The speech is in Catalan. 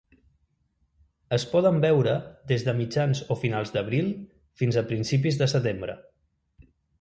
Es poden veure des de mitjans o finals d'abril fins a principis de setembre.